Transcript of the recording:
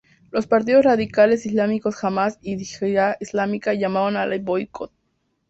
Los partidos radicales islámicos Hamás y Yihad Islámica llamaron al boicot.